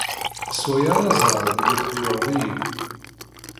S waya ara ẓreɣ belli tḥemmleḍ-iyi.